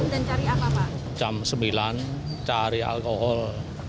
bapak di sini antre sejak kapan